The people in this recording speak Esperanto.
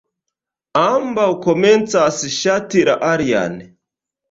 Ambaŭ komencas ŝati la alian.